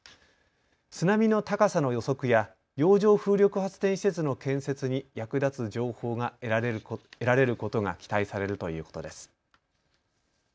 津波の高さの予測や洋上風力発電施設の建設に役立つ情報が得られることが期待されるということです。